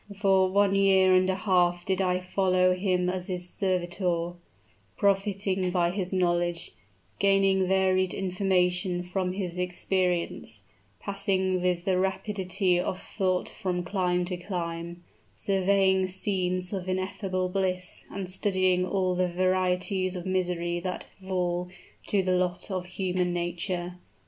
"For one year and a half did I follow him as his servitor profiting by his knowledge gaining varied information from his experience passing with the rapidity of thought from clime to clime surveying scenes of ineffable bliss, and studying all the varieties of misery that fall to the lot of human nature.